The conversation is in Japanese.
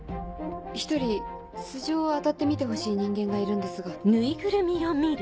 １人素性を当たってみてほしい人間がいるんですが。